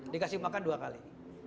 dikasih makan dua kali